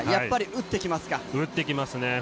打ってきますね。